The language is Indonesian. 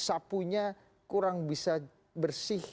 sapunya kurang bisa bersih